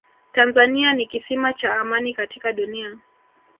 tanzania ni kisima cha amani katika dunia